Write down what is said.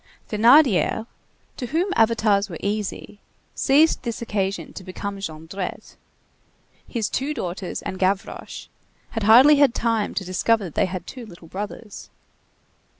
Thénardier, to whom avatars were easy, seized this occasion to become Jondrette. His two daughters and Gavroche had hardly had time to discover that they had two little brothers.